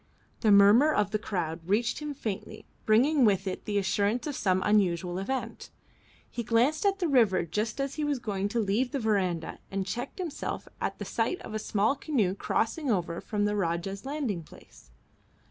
The murmur of the crowd reached him faintly, bringing with it the assurance of some unusual event. He glanced at the river just as he was going to leave the verandah and checked himself at the sight of a small canoe crossing over from the Rajah's landing place.